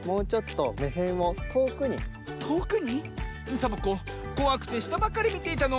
サボ子こわくてしたばかりみていたの。